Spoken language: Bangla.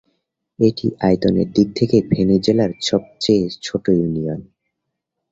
এটি আয়তনের দিক থেকে ফেনী জেলার সবচেয়ে ছোট ইউনিয়ন।